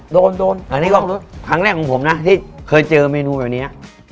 โดนโดนอันนี้ก็ครั้งแรกของผมนะที่เคยเจอเมนูแบบนี้